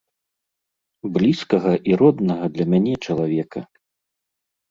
Блізкага і роднага для мяне чалавека.